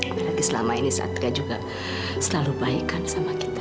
apalagi selama ini satria juga selalu baikkan sama kita